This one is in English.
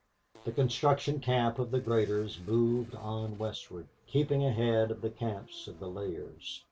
The construction camp of the graders moved on westward, keeping ahead of the camps of the layers.